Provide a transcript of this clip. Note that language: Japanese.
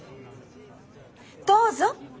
どうぞ！